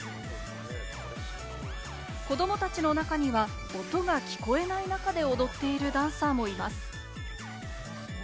子供たちの中には音が聞こえない中で踊っているダンサーもいます。